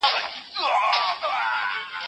د مالوچو کمښت شتون درلود.